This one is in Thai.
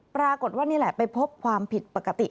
ปรากฏว่านี่แหละไปพบความผิดปกติ